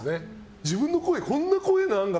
自分の声こんな声なんだ！